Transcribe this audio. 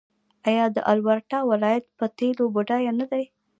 آیا د البرټا ولایت په تیلو بډایه نه دی؟